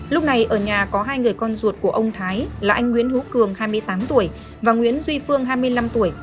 lúc này ở nhà có hai người con ruột của ông thái là anh nguyễn hữu cường hai mươi tám tuổi và nguyễn duy phương hai mươi năm tuổi